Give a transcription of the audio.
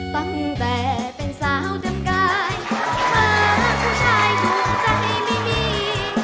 ฟังแต่เป็นสาวเดิมกายฟังคุณชายหัวใจไม่มี